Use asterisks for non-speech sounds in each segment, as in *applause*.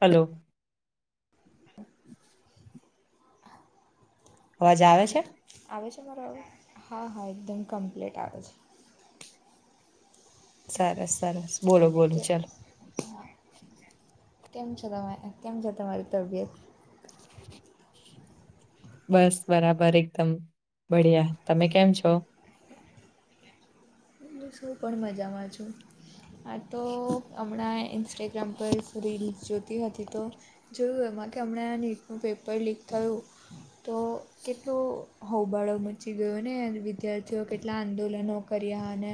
Hello. *inaudible* અવાજ આવે છે? આવે છે મારો અવાજ હા હા એકદમ કમ્પ્લીટ આવે છે. સરસ સરસ બોલો બોલો ચાલો. હા કેમ છો તમે કેમ છે તમારી તબિયત. બસ બરાબર એકદમ બઢિયા તમે કેમ છો? બસ હું પણ મજા માં છું. આ તો હમણાં ઇન્સ્ટાગ્રામ પર રીલ્સ જોત તી હતી તો જોયું એમાં કે હમણાં આ નીટનું પેપર લીક થયું તો કેટલો હોબાળો મચી ગયો ને વિદ્યાર્થીઓ કેટલા આંદોલનો કર્યા અને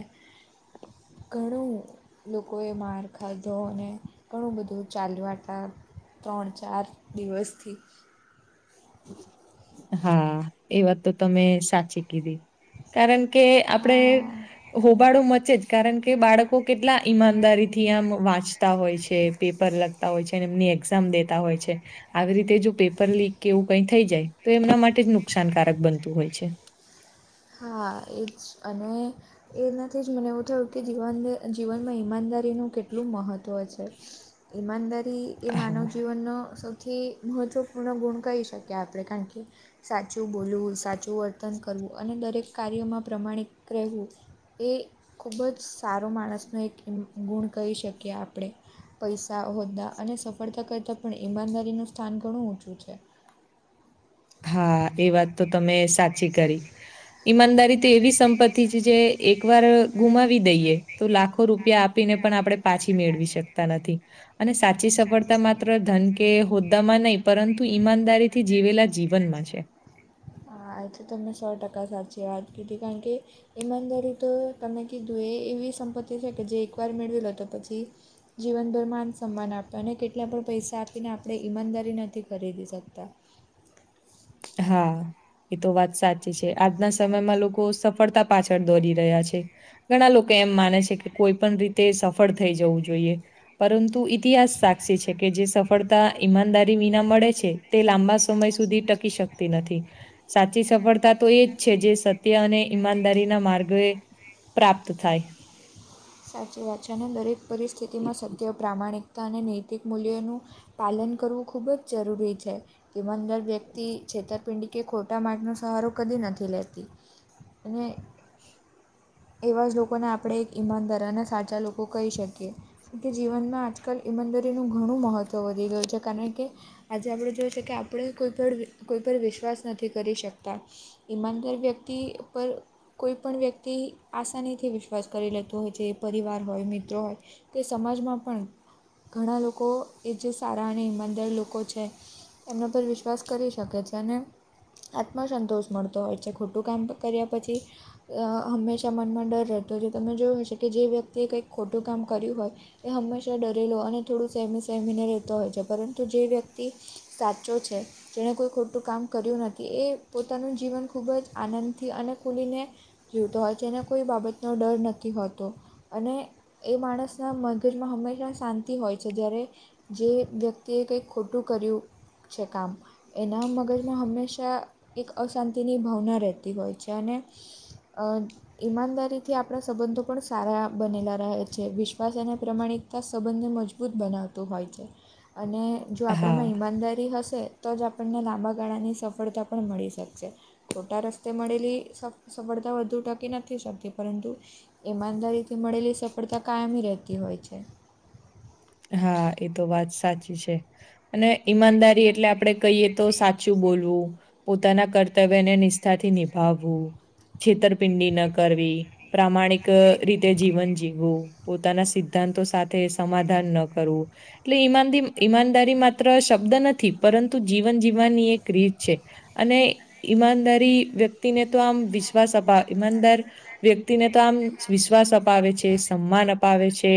ઘણું લોકોએ માર ખાધો અને ઘણું બધું ચાલવાટા ત્રણ ચાર દિવસથી હા એ વાત તો તમે સાચી કીધી કારણ કે આપડે આ હોબાળો મચે જ કારણ કે બાળકો કેટલા ઈમાનદારીથી આમ વાંચતા હોય છે પેપર લખ તા હોય છે એમની એક્ઝામ દેતા હોય છે આવી રીતે જો પેપર લીક કે એવું કઈ થઈ જાય તો એમના માટે જ નુકસાનકારક બનતું હોય છે. હા એજ અને એનાથી જ મને એવું થયું કે જીવનને જીવનમાં ઈમાનદારીનું કેટલું મહ ત્વ છે ઈમાનદારી એ માનવ હા જીવનનો સૌ થી મહત્ત્વપૂર્ણ ગુણ કહી શકે આપણે કારણ કે સાચું બોલવું સાચું વર્તન કરવું અને દરેક કાર્યોમાં પ્રમાણિત રહેવું એ ખૂબ જ સારો માણસનો એક ઈમ ગુણ કહી શકીએ આપણે. પૈસા હોદ્દા અને સફળતા કરતાં પણ ઈમાનદારીનું સ્થાન ઘણું ઊંચું છે. તો તમે સાચી કરી ઈમાનદારી તો એવી સંપત્તિ છે જે એકવાર કરી દઈએ તે હા એ વાત તો તમે સાચી કરી ઈમાનદારી તો એવી સંપતિ છે જે એક વાર ગુમાવી દઈએ તો લાખો રૂપિયા આપીને પણ આપણે પાછી મેળવી શકતા નથી. અને સા સાચી સફળતા માત્ર ધન કે હોદ્દામાં નહી પરંતુ ઈમાનદારી થી જીવેલા જીવનમાં છે. હા એ તો તમે સો ટકા સાચી વાત કીધી કારણ કે ઈમાનદારી તો તમે કીધું એ એવી સંપત્તિ છે કે જે એકવાર મેળવી લો તો પછી જીવનભર માન સન્માન આપતા અને કેટલા પણ પૈસા આપીને આપણે ઈમાનદારી નથી ખરીદી શકતા. હા એ તો વાત સાચી છે આજના સમયમાં લોકો સફળતા પાછળ દોરી રહ્યા છે. ઘણા લોકો એમ માને છે કે કોઈ પણ રીતે સફળ થઈ જવું જોઈએ. પરંતુ ઇતિહાસ સાક્ષી છે કે જે સફળતા ઈમાનદારી વિના મળે છે તે લાંબા સમય સુધી ટકી શકતી નથી. સાચી સફળતા તો એજ છે જે સત્ય અને ઈમાનદારી ના માર્ગો એ પ્રાપ્ત થાય. સાચી વાત છે અને દરેક પરિસ્થિતિમાં સત્ય પ્રામાણિકતા અને નૈતિક મૂલ્યોનું પાલન કરવું ખૂબ જ જરૂરી છે ઇમાનદાર વ્યક્તિ છેતરપિંડી કે ખોટા માર્ગે નો સહારો કદી નથી લેતી અને એવા જ લોકોને આપણે એક ઈમાનદાર અને સાચા લોકો કહી શકીએ. કે જીવનમાં આજકાલ ઈમાનદરીનું ઘણું મહત્ત્વ વધી ગયું છે કારણ કે આજે આપણે જોઈ શકે આપણે કોઈ પણ કોઈ પર વિશ્વાસ નથી કરી શકતા. ઈમાનદાર વ્યક્તિ પર કોઈ પણ વ્યક્તિ આસાનીથી વિશ્વાસ કરી લેતો હોય. જે પરિવાર હોય મિત્રો હોય તે સમાજમાં પણ ઘણા લોકો એ જે સારા અને ઇમાનદાર લોકો છે એમના પર વિશ્વાસ કરી શકે છે અને આત્મસંતોષ મળતો હોય છે ખોટું કામ કર્યા પછી હંમેશાં મનમાં ડર રહેતો હોય તમે જોયું હશે કે જે વ્યક્તિએ કંઈક ખોટું કામ કર્યું હોય એ હંમેશા ડરેલો અને થોડું સેમી સેમીને રહેતો હોય છે પરંતુ જે વ્યક્તિ સાચો છે જેણે કોઈ ખોટું કામ કર્યું નથી એ પોતાનું જીવન ખૂબ જ આનંદથી અને ખુલીને જીવતો હોય છે એને કોઈ બાબતનો ડર નથી હોત તો અને એ માણસનાં મગજમાં હંમેશા શાંતિ હોય છે જ્યારે જે વ્યક્તિએ કંઈક ખોટું કર્યું છે કામ એના મગજમાં હંમેશા એક અશાંતિની ભાવના રહેતી હોય છે, અને અ ઈમાનદારીથી આપણા સંબંધો પણ સારા બનેલા રહે છે, વિશ્વાસ એના પ્રમાણિકતા સંબંધને મજબૂત બનાવતો હોય છે. અને જો હા. આપણામાં ઈમાનદારી હશે તો જ આપણને લાંબા ગાળાની સફળતા પણ મળી શકશે ખોટા રસ્તે મળેલી સ સફળતા વધુ ટકી નથી શકતી પરંતુ ઈમાનદારીથી મળેલી સફળતા કાયમી રહેતી હોય છે. હા એ તો વાત સાચી છે, અને ઈમાનદા એટલે આપડે કહીએ તો સાચું બોલવું પોતાના કર્તવ્યને નિષ્ઠાથી નિભાવવું છેતરપિંડી ન કરવી પ્રામાણિક રીતે જીવન જીવવુ પોતાના સિદ્ધાંતો સાથે સમાધાન ન કરવું. એટલે ઈમાદી ઈમાનદારી માત્ર શબ્દ નથી પરંતુ જીવન જીવવાની એક રીત છે. અને ઈમાનદારી વ્યક્તિને તો આમ વિશ્વાસ અપા ઈમાનદાર વ્યક્તિને તો આમ વિશ્વાસ અપાવે છે, સમાન અપાવે છે.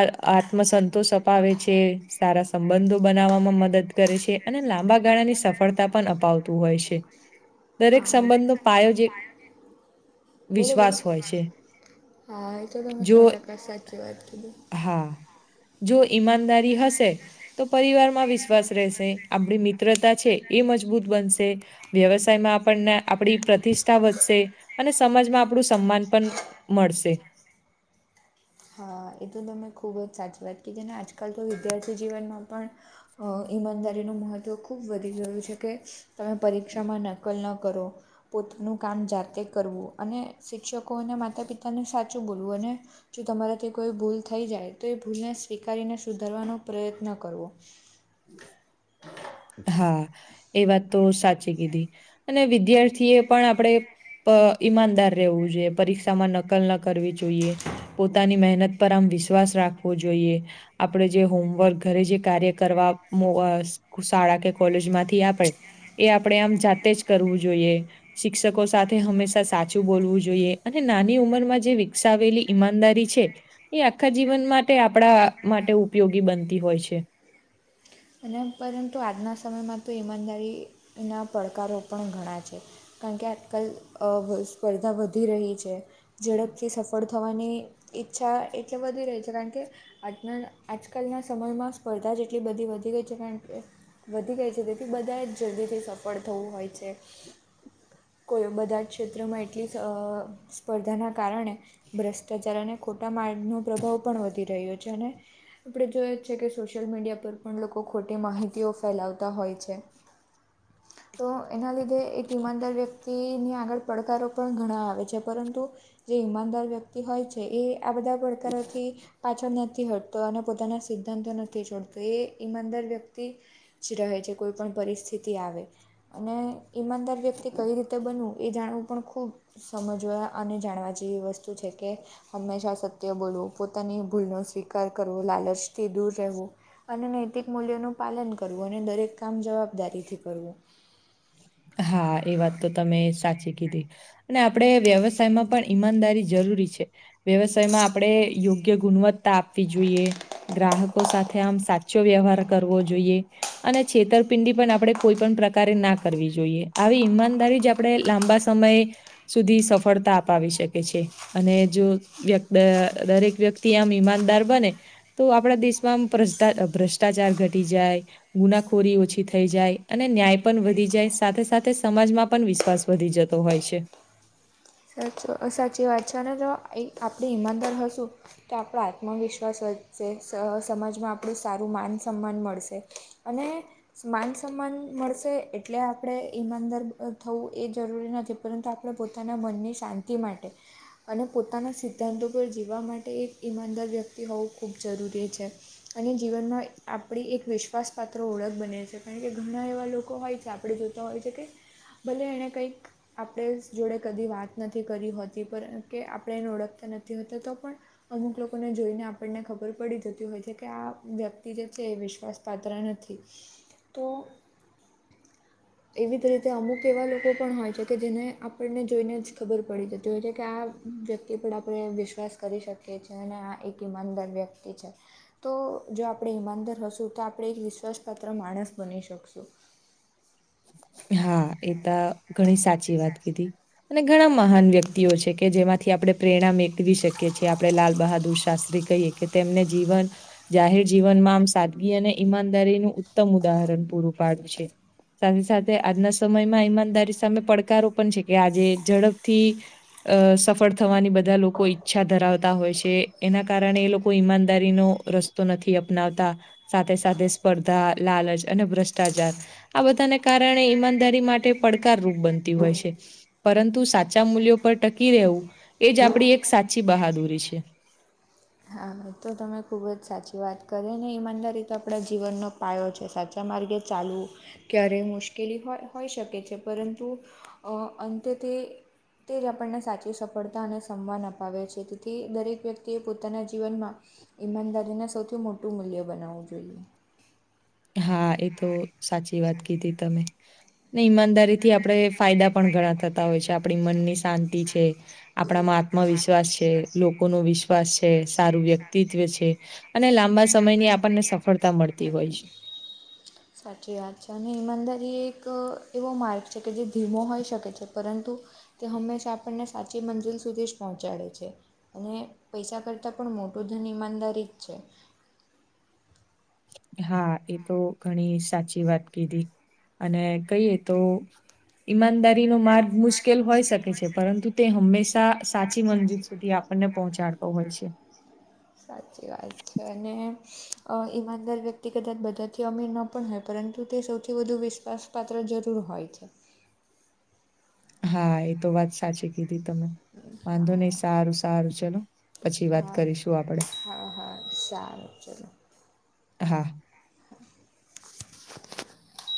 આ આત્મ સંતોષ અપાવે છે, સારા સંબંધો બનાવવામાં મદદ કરે છે, અને લા બા ગાળાની સફળતા પણ અપાવતું હોય છે. દરેક હા સંબંધનો પાયો જ એક *unintelligible* બોલો બોલો વિશ્વાસ હોય છે. હા એ તો તમે સો જો ટકા સાચી વાત કીધી. હા. જો ઈમાનદારી હશે. તો પરિવારમાં વિશ્વાસ રહેશે આપણી મિત્રતા છે, એ મજબૂત બનશે વ્યવસાયમાં. આપણને આપણી પ્રતિષ્ઠા વધશે અને સમાજમાં આપણું સન્માન પણ મળશે. હા એ તો તમે ખૂબ જ સાચી વાત કીધી ને આજકાલ તો વિદ્યાર્થી જીવનમાં પણ અ ઈમાનદારીનું મહત્ત્વ ખૂબ વધી ગયું છે, કે તમે પરીક્ષામાં નકલ ન કરો. પોતાનું કામ જાતે કરવું અને શિક્ષકોને માતા પિતાને સાચું બોલવું અને જો તમારાથી કોઈ ભૂલ થઈ જાય તો એ ભૂલને સ્વીકારીને સુધારવાનો પ્રયત્ન કરવો હા એ વાત તો સાચી કીધી અને વિદ્યાર્થી એ પણ આપડે પ ઈમાનદાર રહેવું જોઈએ પરીક્ષામાં નકલ ન કરવી જોઈએ પોતાની મહેનત પર આમ વિશ્વાસ રાખવો જોઈએ. આપડે જે હોમવર્ક ઘરે જે કાર્ય કરવા મો અ શાળા કે કોલેજમાંથી આપે એ આપણેે આમ જાતે જ કરવું જોઈએ શિક્ષકો સા હંમેશા સાચું બોલવું જોઈએ અને નાની ઉંમરમાં જે વિકસાવેલી ઈમાનદારી છે. એ આખા જીવન માટે આપણા માટે ઉપયોગી બનતી હોય છે. અને પરંતુ આજના સમયમાં તો ઈમાનદારીના પડકારો પણ ઘણા છે. કારણ કે આજકાલ અ સ્પર્ધા વધી રહી છે, ઝડપથી સફળ થવાની ઈચ્છા એટલે વધી રહી છે, કારણ કે આજના આજકાલના સમયમાં સ્પર્ધા જેટલી બધી વ ધી ગઈ છે, કારણ કે વધી ગઈ છે, તેથી બધા જ જલ્દીથી સફળ થવું હોય છે. કોઈ બધા જ ક્ષેત્રમાં એટલી અ સ્પર્ધાના કારણે ભ્રષ્ટાચારને ખોટા મા નો પ્રભાવ પણ વધી રહ્યો છે, અને આપણે જોઈએ છે, કે સોશિયલ મીડિયા પર પણ લોકો ખોટી માહિતીઓ ફેલાવતા હોય છે. તો એના લીધે એક ઇમાનદાર વ્યક્તિની આગળ પડકારો પણ ઘણા આવે છે, પરંતુ જે ઈમાનદાર વ્યક્તિ હોય છે એ આ બધા પડકારોથી પાછળ નથી હો તો એને પોતાના સિદ્ધાંતો નથી છોડતો એ ઈમાનદાર વ્યક્તિ જ રહે છે કોઈ પણ પરિસ્થિતિ આવે અને ઈમાનદાર વ્યક્તિ કઈ રીતે એ જાણવું પણ ખૂબ સમજવા અને જાણવા જેવી વસ્તુ છે કે હંમેશા સત્ય બોલવું પોતાની ભૂલનો સ્વીકાર કરવો લાલચથી દૂર રહેવું, અને નૈતિક મૂલ્યોનું પાલન કરવું અને દરેક કામ જવાબદારીથી કરવું હા એ વાત તો તમે સાચી કીધી અને આપણે વ્યવસાયમાં પણ ઈમાનદારી જરૂરી છે વ્યવસાયમાં આપણે યોગ્ય ગુણવત્તા આપવી જોઈએ. ગ્રાહકો સાથે આમ સાચો વ્યવહાર કરવો જોઈએ. અને છેતરપિંડી પણ આપણે કોઈ પણ પ્રકારે ના કરવી જોઈએ આવી ઈમાનદારી જ આપણે લાંબા સમય સુધી સફળતા અપાવી શકે છે. અને જો દરેક વ્યક્તિ આમ ઈમાનદાર બને તો આપણા દેશમાં ભ્રષ્ટ ભ્રષ્ટાચાર ઘટી જાય ગુનાખોરી ઓછી થઈ જાય અને ન્યાય પણ વધી જાય સાથે સાથે સમાજમાં પણ વિશ્વાસ વધી જતો હોય છે. સાચો સાચી વાત છે અને જો એ આપણે ઈમાનદાર હશું તો આપણો આત્મવિશ્વાસ વધશે સમાજમાં આપણું સારું માન સમાન મળશે. અને માન સન્માન મળશે એટલે આપણે ઈમાનદાર થવું એ જરૂરી નથી પરંતુ આપણે પોતાના મનની શાંતિ માટે અને પોતાના સિદ્ધાંતો પર જીવવા માટે એક ઈમાનદાર વ્યક્તિ હોવું ખૂબ જરૂરી છે. અને જીવનમાં આપણી એક વિશ્વાસ પાત્ર ઓળખ બને છે કારણ કે ઘણા એવા લોકો હોય કે આપણે જો હોય છે કે ભલે એને કંઈક આપણે જોડે કદી વાત નથી કરી હોતી પર કે આપણે એને ઓળખતા નથી હોતા તો પણ અમુક લોકોને જોઈને આપણને ખબર પડી જતી હોય છે કે આ વ્યક્તિ જે છે એ વિશ્વાસ પાત્ર નથી તો એવી જ રીતે અમુક એવા લોકો પણ હોય છે કે જેને આપ આપણને જોઈને જ ખબર પડી જતી હોય છે કે આ વ્યક્તિ પર આપણે વિશ્વાસ કરી શક કે છે ને આ એક ઈમાનદાર વ્યક્તિ છે. તો જો આપણે ઈમાનદાર હશું તો આપણે વિશ્વાસપાત્ર માણસ બની શકશું. હા એ તો ઘણી સાચી વાત કીધી. અને ઘણા મહાન વ્યક્તિઓ છે કે જેમાંથી આપણે પ્રેરણા મેકવી શકીએ છીએ આપણે લાલ બહાદુર શાસ્ત્રી કહીએ કે તેમને જીવન જાહેર જીવનમાં આમ સાદગી અને ઈમાનદારીનું ઉત્તમ ઉદાહરણ પૂરું પાડ્યું છે. સાથે સાથે આજના સમયમાં ઈમાનદારી સામે પડકારો પણ છે કે આજે ઝડપથી અ સફળ થવાની બધા લોકો ઈચ્છા ધરાવતા હોય છે એના કારણે એ લોકો ઈમાનદારીનો રસ્તો નથી અપનાવતા સાથે સાથે સ્પર્ધા લાલચ અને ભ્રષ્ટાચાર આ બધાને કારણે ઈમાનદારી માટે પડકારરૂપ બનતી હોય છે. પરંતુ સાચા મૂલ્યો પર ટકી રહેવું એ જ આપણી એક સાચી બહાદુરી છે. હા તો તમે ખૂબ જ સાચી વાત કરે ને ઈમાનદારી તો આપણા જીવનનો પાયો છે સાચા માર્ગે ચાલવું. ક્યારે મુશ્કેલી હોય હોઈ શકે છે પરંતુ અ અંતે તે તે જ આપણને સાચી સફળતા અને સમ્માન અપાવે છે તેથી દરેક વ્યક્તિએ પોતાના જીવનમાં ઈમાનદારીને સૌથી મોટું મૂલ્ય બનાવવું જોઈએ. હા એ તો સાચી વાત કીધી તમે ને ઈમાનદાર થી આપણે ફાયદા પણ ઘણા થતા હોય છે, આપણી મનની શાંતિ છે. આપણામાં આત્મવિશ્વાસ છે, લોકો નો વિશ્વાસ છે, સારું વ્યક્તિત્વ છે. અને લાંબા સમયની આપણને સફળતા મળતી હોય છે. *inaudible* સાચી વાત છે અને ઈમાદર એ એક એવો માર્ગ છે કે જે ધીમો હોઈ શકે છે પરંતુ તે હંમેશા આપણને સાચી મંજૂલ સુધી પહોંચાડે છે અને પૈસા કરતાં પણ મોટું ધન ઈમાનદારી જ છે. હા એ તો ઘણી સાચી વાત કીધી અને કહીએ તો ઈમાનદારીનો માર્ગ મુશ્કે મુશ્કેલ હોય શકે છે પરંતુ તે હંમેશા સાચી મંજીલ સુધી આપણને પહોંચાડતો હોય છે. સાચી વાત છે અને અ ઈમાનદાર વ્યક્તિ કદાચ બધાથી અમીર ન પણ હોય પરંતુ તે સૌથી વધુ વિશ્વાસપાત્ર જરૂર હોય છે. હા એ તો વાત સાચી કીધી તમે, હા વાંધો નહી સારું સારું ચલો. પછી વાત હા, કરીશું આપડે હા, હા, સારું ચલો. હા. *inaudible*